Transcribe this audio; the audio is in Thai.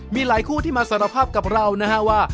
มีหลายคู่ที่มาสารภาพกับเรานะฮะว่า